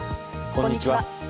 こんにちは。